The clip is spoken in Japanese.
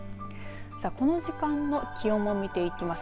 この時間の気温も見ていきます。